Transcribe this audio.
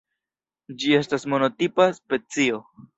Ĝi estas monotipa specio.